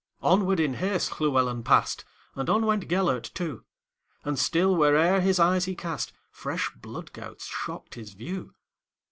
Onward, in haste, Llewelyn passed, And on went Gêlert too; And still, where'er his eyes he cast, Fresh blood gouts shocked his view.